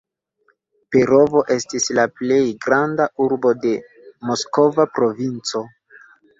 Perovo estis la plej granda urbo de Moskva provinco.